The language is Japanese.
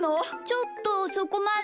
ちょっとそこまで。